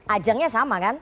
ajangnya sama kan